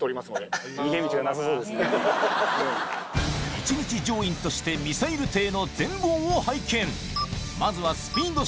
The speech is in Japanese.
一日乗員としてミサイル艇の全貌を拝見